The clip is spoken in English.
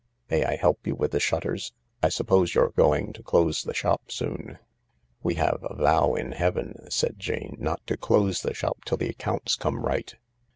May I help you with the shutters ? I suppose you're going to close the shop soon ?"" We have a vow in heaven," said Jane, " not to close the shop till the accounts come right."